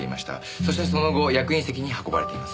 そしてその後役員席に運ばれています。